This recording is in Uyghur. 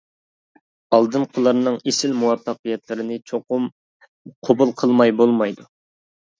ئالدىنقىلارنىڭ ئېسىل مۇۋەپپەقىيەتلىرىنى چوقۇم قوبۇل قىلماي بولمايدۇ.